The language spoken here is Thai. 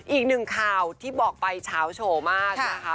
อีกหนึ่งข่าวที่บอกไปเฉาโชว์มากนะคะ